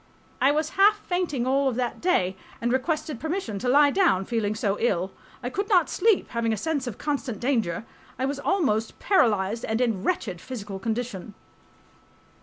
I was half fainting all of that day and ... requested permission to lie down, feeling so ill .... I could not sleep, having a sense of constant danger .... I was almost paralyzed and in wretched physical condition.